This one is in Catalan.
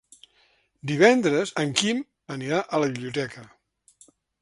Divendres en Quim anirà a la biblioteca.